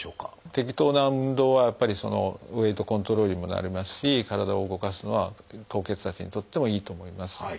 適当な運動はやっぱりウエイトコントロールにもなりますし体を動かすのは高血圧にとってもいいと思います。